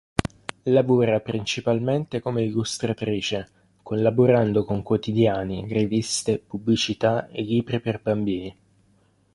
Lavora principalmente come illustratrice collaborando con quotidiani, riviste, pubblicità e libri per bambini.